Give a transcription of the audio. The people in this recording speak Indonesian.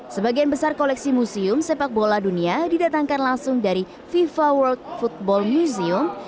sebagian besar koleksi museum sepak bola dunia didatangkan langsung dari fifa world football museum